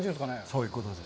そういうことです。